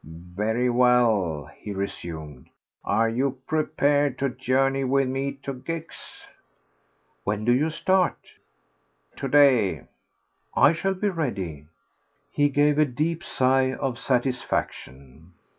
"Very well," he resumed. "Are you prepared to journey with me to Gex?" "When do you start?" "To day." "I shall be ready." He gave a deep sigh of satisfaction.